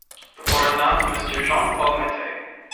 The floor is now to Mister Jean-Paul Mattei.